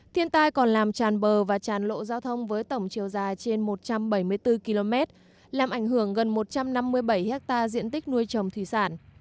thiên tai còn làm tràn bờ và tràn lộ giao thông với tổng chiều dài trên một trăm bảy mươi bốn km làm ảnh hưởng gần một trăm năm mươi bảy hectare diện tích nuôi trồng thủy sản